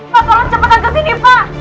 pak tolong cepatkan ke sini pak